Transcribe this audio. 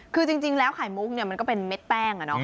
คือจริงแล้วไข่มุกมันก็เป็นเม็ดแป้ง